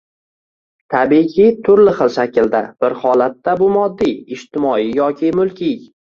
tabiiyki, turli xil shaklda: bir holatda bu moddiy, ijtimoiy yoki mulkiy